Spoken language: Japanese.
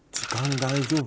大丈夫？